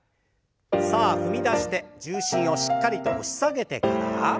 さあ踏み出して重心をしっかりと押し下げてから。